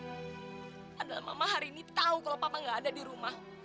adalah mama hari ini tahu kalau papa nggak ada di rumah